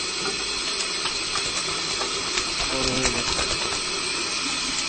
বড় হয়ে গেছ।